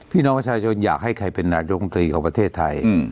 พี่น้องประชาชนอยากให้ใครเป็นนายกรรมตรีของประเทศไทย